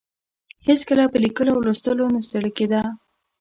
هېڅکله په لیکلو او لوستلو نه ستړې کیده.